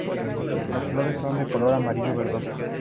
Las flores son de color amarillo verdoso.